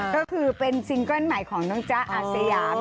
ก็คือเป็นซิงเกิ้ลใหม่ของน้องจ๊ะอาสยาม